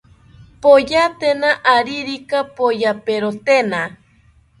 Poyatena aririka poyaperotena